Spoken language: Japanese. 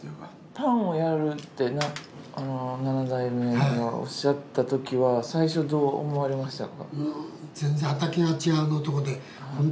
パンをやるって７代目がおっしゃったときは最初どう思われましたか？